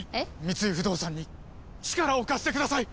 三井不動産に力を貸してください！